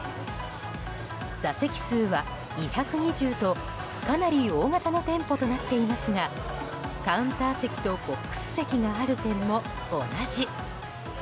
座席数は２２０とかなり大型の店舗となっていますがカウンター席とボックス席がある点も同じ。